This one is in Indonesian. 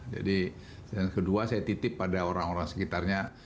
jadi yang kedua saya titip pada orang orang sekitarnya